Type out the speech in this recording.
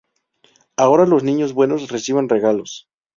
Ahora los niños buenos reciben regalos.